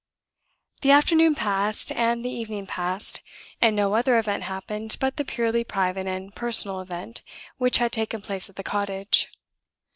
The afternoon passed, and the evening passed, and no other event happened but the purely private and personal event which had taken place at the cottage.